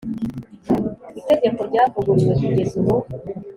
Itegeko ryavuguruwe kugeza ubu